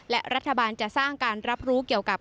และรัฐบาลจะสร้างการรับรู้เกี่ยวกับ